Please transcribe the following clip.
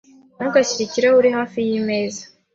Ntugashyire ikirahure hafi yimeza.